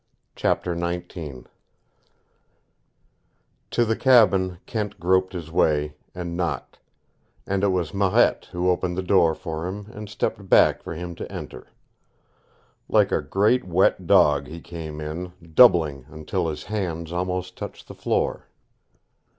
CHAPTER XIX To the cabin Kent groped his way, and knocked, and it was Marette who opened the door for him and stepped back for him to enter. Like a great wet dog he came in, doubling until his hands almost touched the floor.